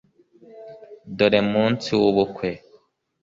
dore munsi w'ubukwe,